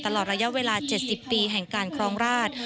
ตลอดระยะเวลา๗๐ปีแห่งการครองราช